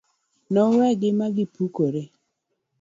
nowegi magipukore